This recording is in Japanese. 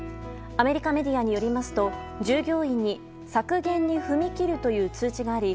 アメリカメディアによりますと従業員に削減に踏み切るという通知があり